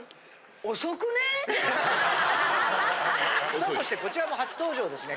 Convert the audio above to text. さあそしてこちらも初登場ですね。